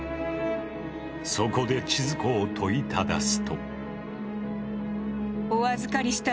そこで千鶴子を問いただすと。